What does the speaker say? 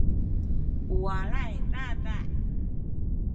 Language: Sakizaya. u walay dada’